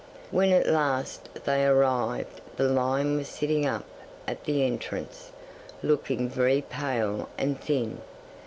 When at last they arrived the lion was sitting up at the entrance, looking very pale and thin.